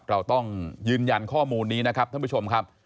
เราต้องยืนยันข้อมูลนี้นะครับท่านผู้ชมครับ